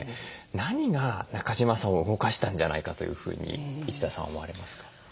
何が中島さんを動かしたんじゃないかというふうに一田さんは思われますか？